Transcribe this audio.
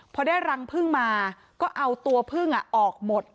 พอได้รังพึ่งมาก็เอาตัวพึ่งออกหมด